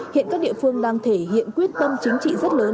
hiện các địa phương đang thể hiện quyết tâm chính trị rất lớn